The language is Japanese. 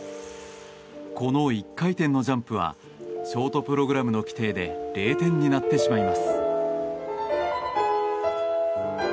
この１回転のジャンプはショートプログラムの規定で０点になってしまいます。